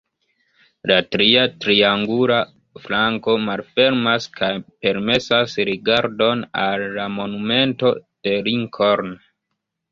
La tria triangula flanko malfermas kaj permesas rigardon al la Monumento de Lincoln.